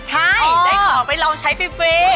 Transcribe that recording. ใช่ได้ของไปลองใช้ฟรี